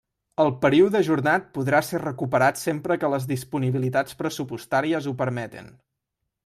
El període ajornat podrà ser recuperat sempre que les disponibilitats pressupostàries ho permeten.